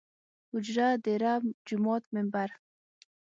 اوجره ، ديره ،جومات ،ممبر